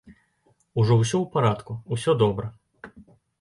Ужо ўсё ў парадку, усё добра.